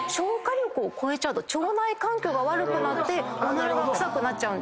力超えちゃうと腸内環境が悪くなってオナラが臭くなっちゃうんですね。